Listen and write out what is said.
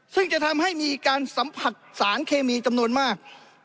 ซึ่งจะทำให้มีการสัมผัสสารเคมีจำนวนมาก